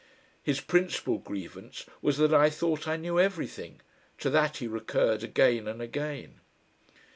His principal grievance was that I thought I knew everything; to that he recurred again and again....